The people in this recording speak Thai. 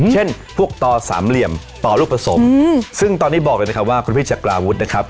เช่นพวกต่อสามเหลี่ยมต่อลูกผสมซึ่งตอนนี้บอกเลยนะครับว่าคุณพี่จักราวุฒินะครับ